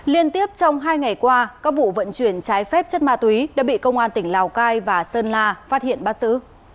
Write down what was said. liên tiếp trong hai ngày qua các vụ vận chuyển trái phép chất ma túy đã bị công an tỉnh lào cai và sơn la phát hiện bắt xử